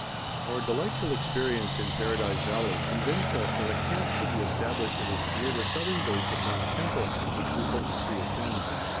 _ Our delightful experience in Paradise Valley convinced us that a camp should be established in it near the southern base of Mount Temple, which we hoped to ascend.